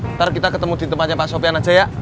ntar kita ketemu di tempatnya pak sofian aja ya